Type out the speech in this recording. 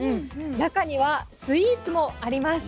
中にはスイーツもあります。